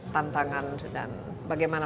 tantangan dan bagaimana